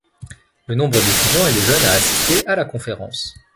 Le nombre d'étudiants et de jeunes a assisté à la conférence.